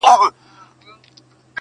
• گرانه شاعره لږ څه يخ دى كنه.